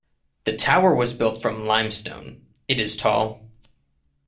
The tower was built from limestone, it is tall.